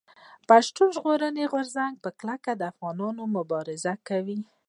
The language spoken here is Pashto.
پښتون ژغورني غورځنګ په کلک افغاني مبارزه کوي.